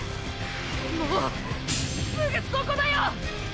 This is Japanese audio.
もうすぐそこだよ！！